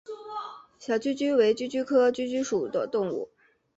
小鼩鼱为鼩鼱科鼩鼱属的动物。